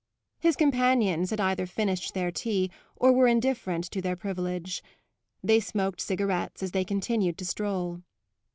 His companions had either finished their tea or were indifferent to their privilege; they smoked cigarettes as they continued to stroll.